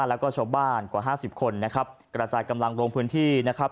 แล้วก็ชาวบ้านกว่าห้าสิบคนนะครับกระจายกำลังลงพื้นที่นะครับ